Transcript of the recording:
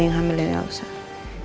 yang hamilnya gak usah